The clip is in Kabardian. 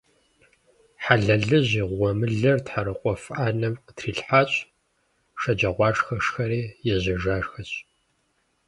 Хьэлэлыжь и гъуэмылэр тхьэрыкъуэф Ӏэнэм къытрилъхьащ, шэджагъуашхэ шхэри ежьэжахэщ .